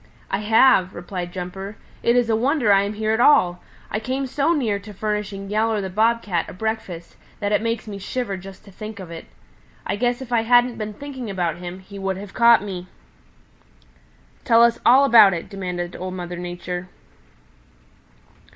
"I have," replied Jumper. "It is a wonder I am here at all; I came to near furnishing Yowler the Bob Cat a breakfast that it makes me shiver just to think of it. I guess if I hadn't been thinking about him, he would have caught me." "Tell us all about it," demanded Old Mother Nature.